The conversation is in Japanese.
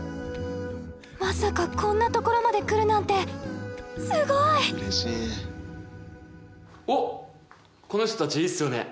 まさかこんなところまで来るなんてすごい！おっこの人たちいいっすよね！